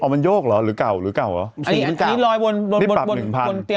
มันโยกหรอหรือเก่าหรือเก่าเหรอ